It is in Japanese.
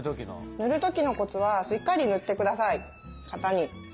塗る時のコツはしっかり塗ってください型に。